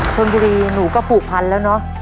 ชนบุรีหนูก็ผูกพันแล้วเนอะ